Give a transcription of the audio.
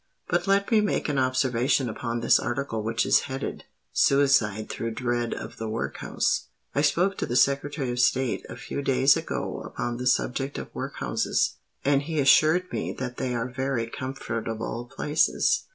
But let me make an observation upon this article which is headed 'Suicide through Dread of the Workhouse.' I spoke to the Secretary of State a few days ago upon the subject of workhouses; and he assured me that they are very comfortable places.